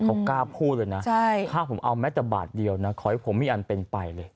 เขากล้าพูดเลยนะถ้าผมเอาแม้แต่บาทเดียวนะขอให้ผมมีอันเป็นไปเลย